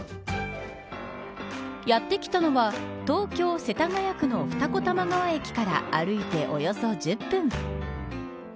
やってきたのは東京、世田谷区の二子玉川駅から歩いておよそ１０分。